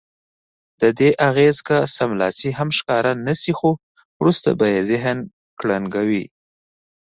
ددې اغېز که سملاسي هم ښکاره نه شي خو وروسته به یې ذهن کړنګوي.